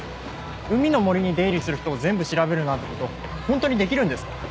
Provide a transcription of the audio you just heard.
海の森に出入りする人を全部調べるなんて事本当にできるんですか？